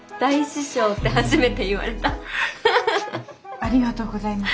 ありがとうございます。